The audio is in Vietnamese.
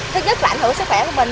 thứ nhất là ảnh hưởng sức khỏe của mình